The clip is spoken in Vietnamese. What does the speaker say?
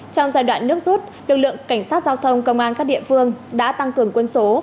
trong giai đoạn nước rút lực lượng cảnh sát giao thông công an các địa phương đã tăng cường quân số